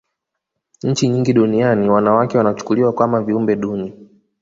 nchi nyingi duniani wanawake wanachukuliwa kama viumbe duni